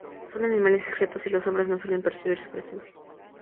Son animales discretos, y los hombres no suelen percibir su presencia.